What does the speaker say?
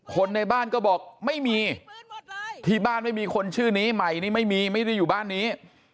คนในบ้านก็บอกไม่มีที่บ้านไม่มีคนชื่อนี้ใหม่นี่ไม่มีไม่ได้อยู่บ้านนี้